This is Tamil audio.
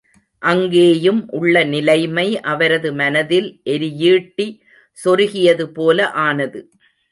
அங்கேயும் உள்ள நிலைமை அவரது மனதில் எரியீட்டி சொருகியது போல ஆனது.